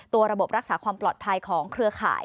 ระบบรักษาความปลอดภัยของเครือข่าย